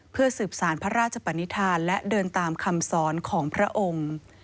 เพื่อสืบสารพระราชปนิษฐานและเดินตามคำสอนของพระองค์